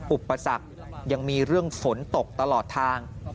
อุปสรรคยังมีเรื่องฝนตกตลอดทาง